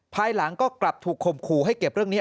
ภายหลังก็กลับถูกข่มขู่ให้เก็บเรื่องนี้